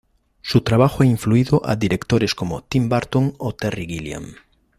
Su trabajo ha influido a directores como Tim Burton o Terry Gilliam.